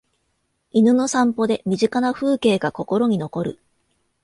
犬の散歩で身近な風景が心に残る